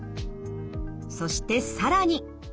そして更に。